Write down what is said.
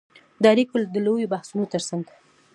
د اړیکو د لویو بحثونو ترڅنګ